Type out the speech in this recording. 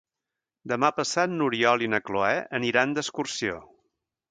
Demà passat n'Oriol i na Cloè aniran d'excursió.